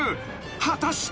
［果たして］